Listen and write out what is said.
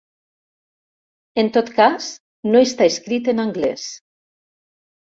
En tot cas, no està escrit en anglès.